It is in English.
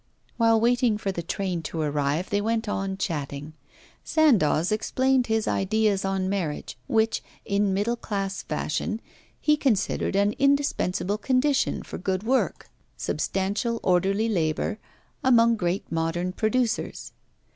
While waiting for the train to arrive, they went on chatting. Sandoz explained his ideas on marriage, which, in middle class fashion, he considered an indispensable condition for good work, substantial orderly labour, among great modern producers.